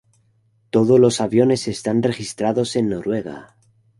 Todos los aviones están registrados en Noruega.